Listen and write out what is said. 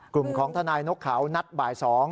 กลุ่มของทนายนกเขานัดบ่าย๒